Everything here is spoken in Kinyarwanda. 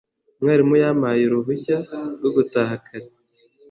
umwarimu yampaye uruhushya rwo gutaha kare